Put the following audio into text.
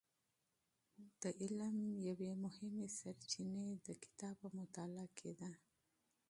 د علم یوې مهمې سرچینې د کتاب په مطالعه کې ده.